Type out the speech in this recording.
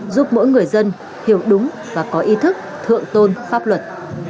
giúp mỗi người dân hiểu đúng và có ý thức thượng tôn pháp luật